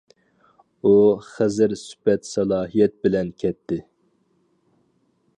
ئۇ خىزىر سۈپەت سالاھىيەت بىلەن كەتتى.